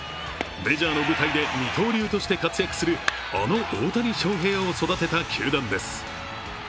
メジャーの舞台で二刀流として活躍するあの大谷翔平を育てた球団です。